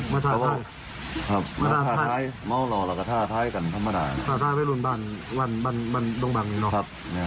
เนาะเราก็ถ้าท้ายกันธรรมดา